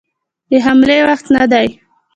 د حملې وخت نه دی.